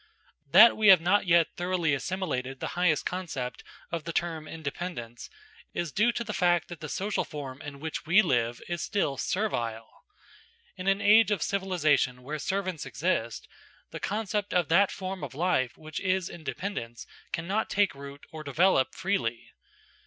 That we have not yet thoroughly assimilated the highest concept of the term independence, is due to the fact that the social form in which we live is still servile. In an age of civilisation where servants exist, the concept of that form of life which is independence cannot take root or develop freely.